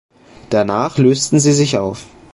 Danach lösten sie sich auf.